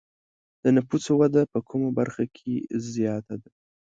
د نفوسو وده په کومه برخه کې زیاته ده؟